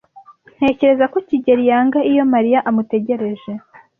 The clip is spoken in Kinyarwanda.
Ntekereza ko kigeli yanga iyo Mariya amutegereje.